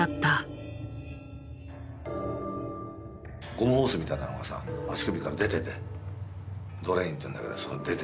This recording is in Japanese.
ゴムホースみたいなのがさ足首から出ててドレーンっていうんだけど出ててね。